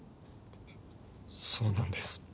そうなんです。